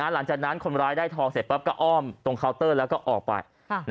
หลังจากนั้นคนร้ายได้ทองเสร็จปั๊บก็อ้อมตรงเคาน์เตอร์แล้วก็ออกไป